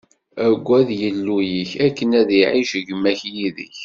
Aggad Illu-ik, akken ad iɛic gma-k yid-k.